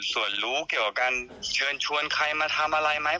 ส่วนรู้เกี่ยวกับการเชิญชวนใครมาทำอะไรไหม